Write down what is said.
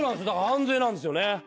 だから安全なんですよね。